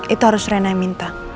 itu harus rena yang minta